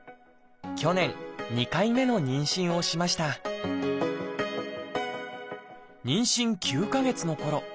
去年２回目の妊娠をしました妊娠９か月のころ